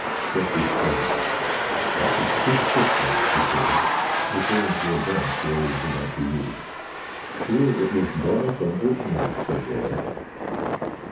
Jeffrey stared. "That's a good thick one," he said, referring to a branch Roy was about to use. "Sure, it was brought up on oatmeal," said Roy.